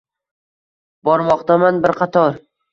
Bormoqdaman bir qator.